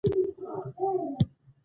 کرنه د کلیوالو د ژوند اساسي برخه ده